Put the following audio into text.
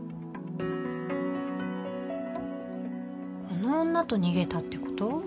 この女と逃げたってこと？